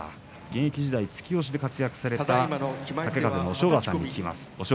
現役時代、突き押しで活躍された豪風の押尾川さんに聞きます。